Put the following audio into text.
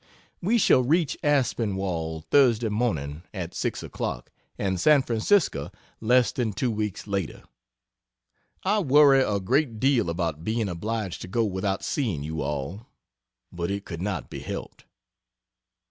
We shall reach Aspinwall Thursday morning at 6 o'clock, and San Francisco less than two weeks later. I worry a great deal about being obliged to go without seeing you all, but it could not be helped.